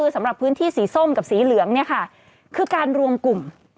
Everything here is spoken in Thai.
สำหรับพื้นที่สีส้มกับสีเหลืองเนี่ยค่ะคือการรวมกลุ่ม